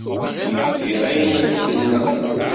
Gziɣ ayen i d-tenna.